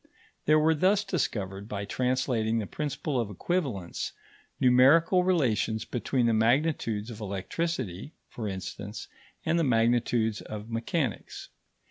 There were thus discovered, by translating the principle of equivalence, numerical relations between the magnitudes of electricity, for instance, and the magnitudes of mechanics.